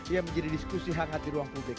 ia menjadi diskusi hangat di ruang publik